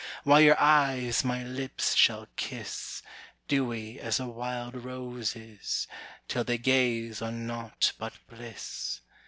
"While your eyes my lips shall kiss, Dewy as a wild rose is, Till they gaze on naught but bliss.